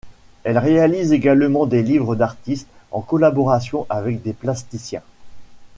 Elle réalise également des livres d'artistes en collaboration avec des plasticiens.